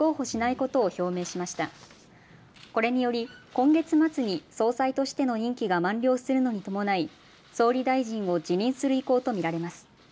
これにより今月末に総裁としての任期が満了するのに伴い総理大臣を辞任する意向と見られます。